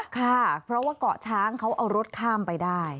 ค่ะเพราะว่าเกาะช้างเขาเอารถข้ามไปได้